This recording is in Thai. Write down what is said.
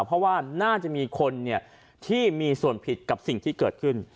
เพราะว่าน่าจะมีคนที่มีส่วนผิดกับสิ่งที่เกิดขึ้น